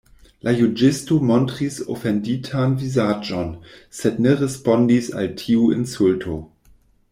La juĝisto montris ofenditan vizaĝon, sed ne respondis al tiu insulto.